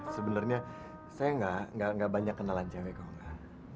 sebenernya saya gak banyak kenalan cewe kalau gak